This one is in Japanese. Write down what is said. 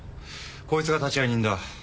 こいつが立会人だ。